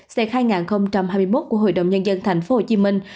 c hai nghìn hai mươi một của hội đồng nhân dân thành phố hồ chí minh